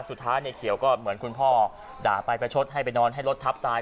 สุดท้ายในเขียวก็เหมือนคุณพ่อด่าไปประชดให้ไปนอนให้รถทับตาย